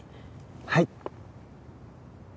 はい？